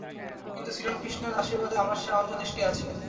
কিন্তু শ্রীরামকৃষ্ণের আশীর্বাদে আমার সে অন্তর্দৃষ্টি আছে।